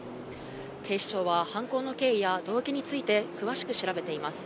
警視庁は、犯行の経緯や動機について、詳しく調べています。